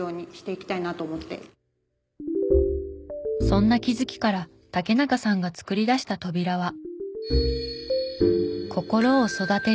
そんな気づきから竹中さんが作り出した扉は。